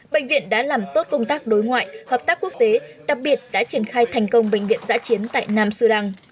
bệnh viện đã làm tốt công tác đối ngoại hợp tác quốc tế đặc biệt đã triển khai thành công bệnh viện giã chiến tại nam sudan